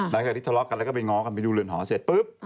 ตั้งแต่ที่ทะเลาะก็ไปน้๋อยกันไปดูเรือนห่อเสร็จปั๊บ